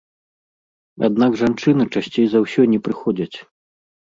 Аднак жанчыны часцей за ўсё не прыходзяць.